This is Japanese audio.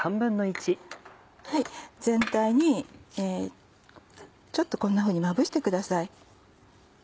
全体にちょっとこんなふうにまぶしてください。